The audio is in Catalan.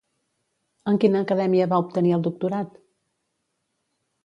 En quina acadèmia va obtenir el doctorat?